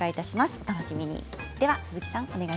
お楽しみに。